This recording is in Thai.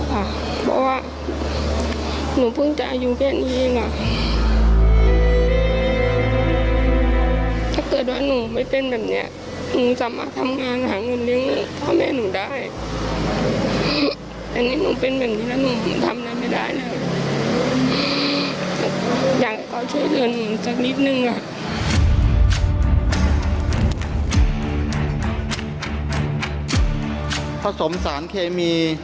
ภาคภูมิ